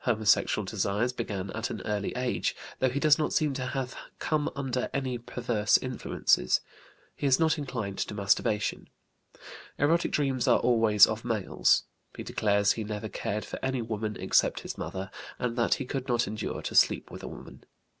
Homosexual desires began at an early age, though he does not seem to have come under any perverse influences. He is not inclined to masturbation. Erotic dreams are always of males. He declares he never cared for any woman except his mother, and that he could not endure to sleep with a woman.